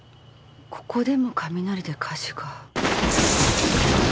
ここでも雷で火事が。